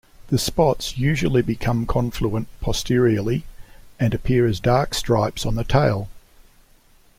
The spots usually become confluent posteriorly, and appear as dark stripes on the tail.